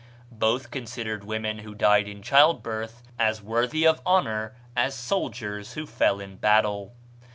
Both considered women who died in childbirth as worthy of honor as soldiers who fell in battle.